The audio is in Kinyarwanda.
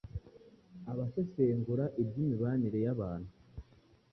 Abasesengura iby’imibanire y’abantu